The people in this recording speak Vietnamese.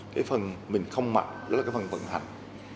cái phần mình không mạnh đó là cái phần vận hành